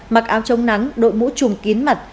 mặc áo chống nắng đội mũ trùng kín mặt